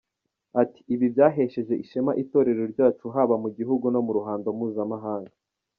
Ati "Ibi byahesheje ishema Itorero ryacu haba mu gihugu no mu ruhando mpuzamahanga.